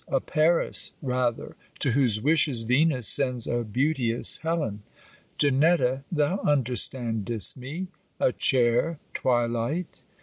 A Paris, rather, to whose wishes Venus sends a beauteous Helen. Janetta, thou understandest me. A chair Twilight